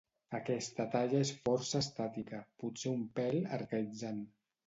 Aquesta talla és força estàtica, potser un pèl arcaïtzant.